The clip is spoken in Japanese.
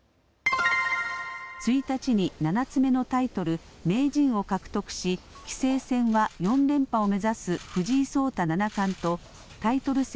１日に７つ目のタイトル、名人を獲得し棋聖戦は４連覇を目指す藤井聡太七冠とタイトル戦